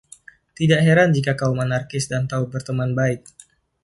Tidak heran jika kaum anarkis dan Tao berteman baik.